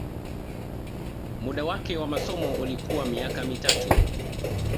Muda wake wa masomo ulikuwa miaka mitatu